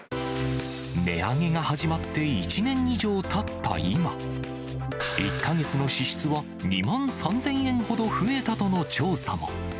値上げが始まって１年以上たった今、１か月の支出は２万３０００円ほど増えたとの調査も。